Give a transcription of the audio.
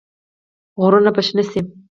غرونه به شنه شي.